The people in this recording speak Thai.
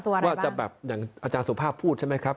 ว่าจะแบบอย่างอาจารย์สุภาพพูดใช่ไหมครับ